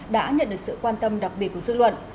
đã nhận được sự quan tâm đặc biệt của dư luận